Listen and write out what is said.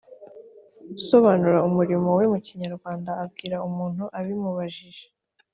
gusobanura umurimo we mu kinyarwanda abwira umuntu ubimubajije